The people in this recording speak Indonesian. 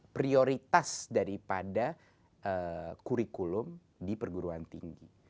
prioritas daripada kurikulum di perguruan tinggi